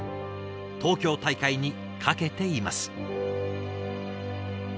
東京大会にかけています。